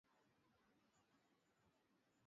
Ni jukumu la kila mtu kujipenda